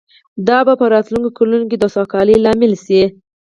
دا به په راتلونکو کلونو کې د سوکالۍ لامل شي